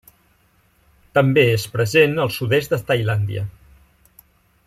També és present al sud-est de Tailàndia.